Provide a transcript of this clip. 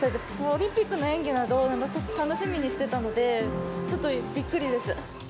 オリンピックの演技など、楽しみにしてたので、ちょっとびっくりです。